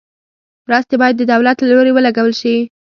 مرستې باید د دولت له لوري ولګول شي.